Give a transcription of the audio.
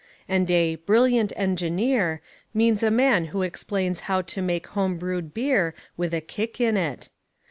And a "brilliant engineer" means a man who explains how to make homebrewed beer with a kick in it.